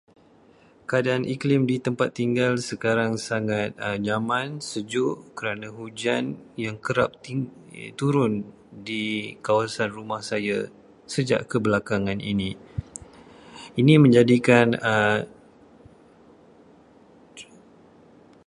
Keadaan iklim di tempat tinggal sekarang sangat nyaman, sejuk kerana hujan yang kerap timb- turun di kawasan rumah saya sejak kebelakangan ini. Ini menjadikan